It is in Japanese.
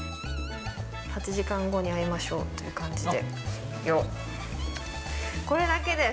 ８時間後に会いましょうという感じで。